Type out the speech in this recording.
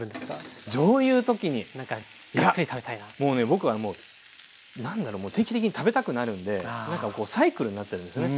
僕はもう何だろ定期的に食べたくなるんでなんかサイクルになってるんですね。